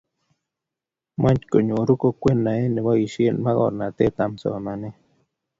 moch konyoru kokwee nae neboisien mokornotee am somanee